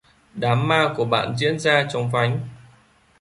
Đám ma của bạn diễn ra chóng vánh